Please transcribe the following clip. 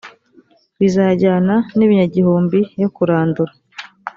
bizajyana n ibinyagihumbi yo kurandura